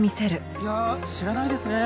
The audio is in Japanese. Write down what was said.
いや知らないですね。